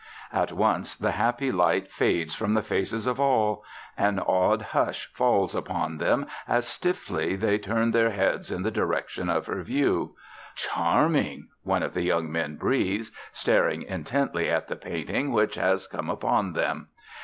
At once the happy light fades from the faces of all. An awed hush falls upon them as stiffly they turn their heads in the direction of her view. "Charming!" one of the young men breathes, staring intently at the painting which has come upon them.